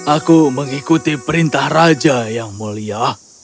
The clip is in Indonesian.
aku mengikuti perintah raja yang mulia